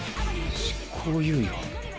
執行猶予。